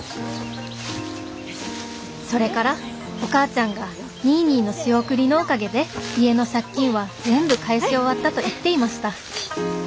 「それからお母ちゃんがニーニーの仕送りのおかげで家の借金は全部返し終わったと言っていました」。